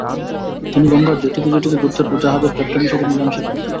তিনি গঙ্গার জেটিতে জেটিতে ঘুরতেন ও জাহাজের ক্যাপ্টেনদের সাথে মেলামেশা করতেন।